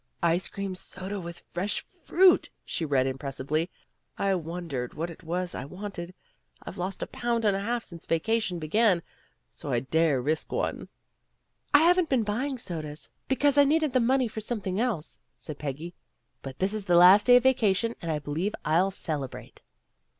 "Ice cream soda with fresh fruit," she read impressively. "I wondered what it was I wanted. I've lost a pound and a half since vacation began, so I dare to risk one." "I haven't been buying sodas, because I 26 PEGGY RAYMOND'S WAY needed the money for something else," said Peggy. "But this is the last day of vacation and I believe I'll celebrate."